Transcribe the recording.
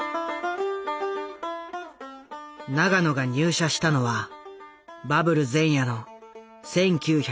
永野が入社したのはバブル前夜の１９８２年。